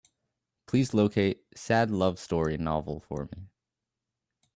Please locate Sad Love Story novel for me.